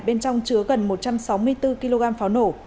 bên trong chứa gần một trăm sáu mươi bốn kg pháo nổ